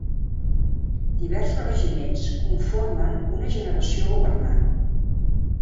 Diversos regiments conformen una generació governant.